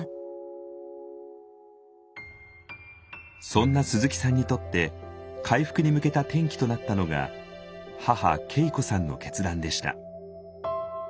そんな鈴木さんにとって回復に向けた転機となったのが母ケイ子さんの決断でした。